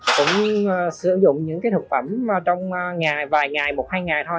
cũng sử dụng những cái thực phẩm trong vài ngày một hai ngày thôi